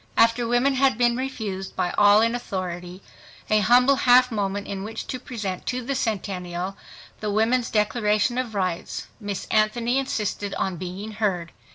After women had been refused by all in authority a humble half moment in which to present to the Centennial the Women's Declaration of Rights, Miss Anthony insisted on being heard.